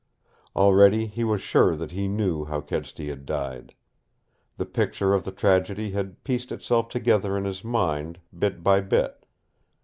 Already he was sure that he knew how Kedsty had died. The picture of the tragedy had pieced itself together in his mind, bit by bit.